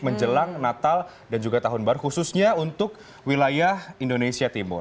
menjelang natal dan juga tahun baru khususnya untuk wilayah indonesia timur